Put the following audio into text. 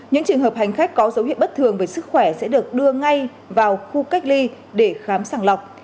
những trường hợp hành khách có dấu hiệu bất thường về sức khỏe sẽ được đưa ngay vào khu cách ly để khám sàng lọc